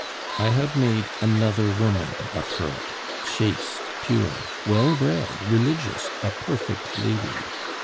"I have made another woman of her, chaste, pure, well bred, religious, a perfect lady.